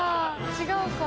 違うか。